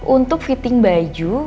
untuk fitting baju